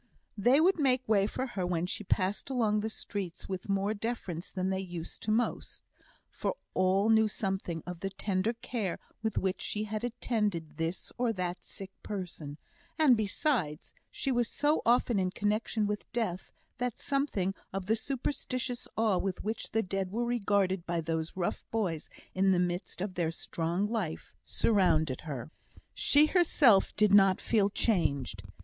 They would make way for her when she passed along the streets with more deference than they used to most; for all knew something of the tender care with which she had attended this or that sick person, and, besides, she was so often in connexion with Death that something of the superstitious awe with which the dead were regarded by those rough boys in the midst of their strong life, surrounded her. She herself did not feel changed.